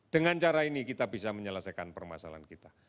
dengan cara ini kita bisa menyelesaikan permasalahan kita